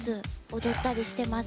踊ったりしてます。